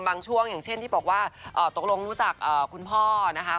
ช่วงอย่างเช่นที่บอกว่าตกลงรู้จักคุณพ่อนะคะ